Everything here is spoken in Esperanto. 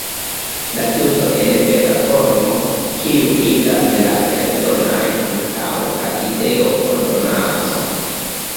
La tuto en bela formo, kiu igas la eldonaĵon taŭga ideo por donaco.